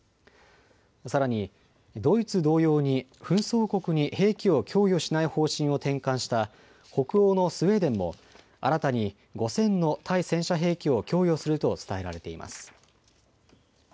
さらにドイツ同様に紛争国に兵器を供与しない方針を転換した北欧のスウェーデンも新たに５０００の対戦車兵器を供与すると伝えられています。